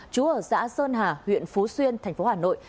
trú ở xã sơn hà huyện phú xuyên thành phố hà nội